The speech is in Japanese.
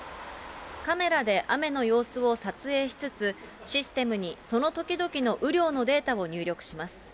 カメラで雨の様子を撮影しつつ、システムにその時々の雨量のデータを入力します。